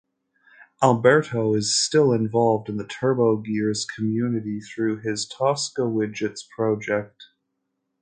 Alberto is still involved in the TurboGears community through his ToscaWidgets project.